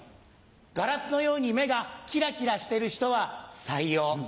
ガラスのように目がキラキラしてる人は採用。